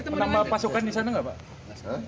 menambah pasukan di sana nggak pak